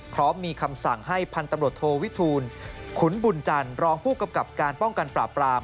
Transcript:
พร้อมมีคำสั่งให้พันธุ์ตำรวจโทวิทูลขุนบุญจันทร์รองผู้กำกับการป้องกันปราบปราม